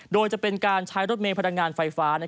โดยจะเป็นการใช้รถเมย์พลังงานไฟฟ้า